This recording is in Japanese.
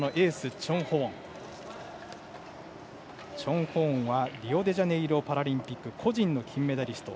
チョン・ホウォンはリオデジャネイロパラリンピック個人の金メダリスト。